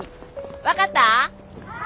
分かった？